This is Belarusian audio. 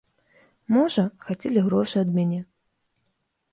Можа, хацелі грошы ад мяне.